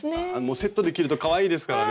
セットで着るとかわいいですからね。